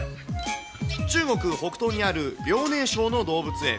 中国北東にある遼寧省の動物園。